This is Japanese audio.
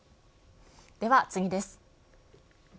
では次です。